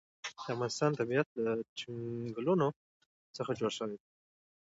د افغانستان طبیعت له چنګلونه څخه جوړ شوی دی.